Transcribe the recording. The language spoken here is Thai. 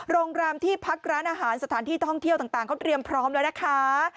โรงแรมที่พักร้านอาหารสถานที่ท่องเที่ยวต่างเขาเตรียมพร้อมแล้วนะคะ